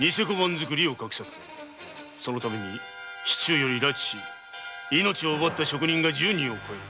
そのために市中より拉致し命を奪った職人は十人を超える。